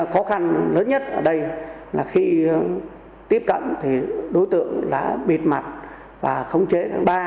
khó khăn lớn nhất ở đây là khi tiếp cận thì đối tượng bịt mặt và khống chế